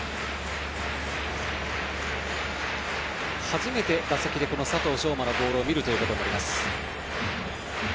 初めて打席で佐藤奨真のボールを見ることになります。